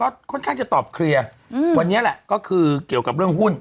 ก็ค่อนข้างจะตอบเคลียร์อืมวันนี้แหละก็คือเกี่ยวกับเรื่องหุ้น